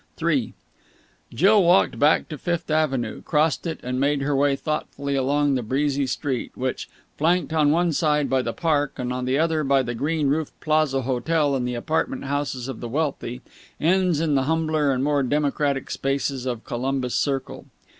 III Jill walked back to Fifth Avenue, crossed it, and made her way thoughtfully along the breezy street which, flanked on one side by the Park and on the other by the green roofed Plaza Hotel and the apartment houses of the wealthy, ends in the humbler and more democratic spaces of Columbus Circle.